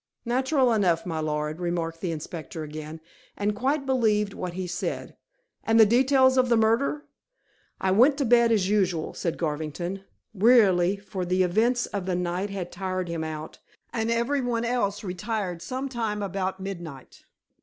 "Natural enough, my lord," remarked the inspector again, and quite believed what he said. "And the details of the murder?" "I went to bed as usual," said Garvington, wearily, for the events of the night had tired him out, "and everyone else retired some time about midnight.